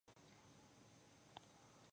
د اورېدونکو د پوهې کچه، عمر او علاقه وپېژنئ.